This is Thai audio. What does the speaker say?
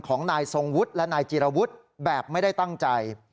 ของนายทรงวุฒิและนายจีรวุฒิแบบไม่ได้ตั้งใจ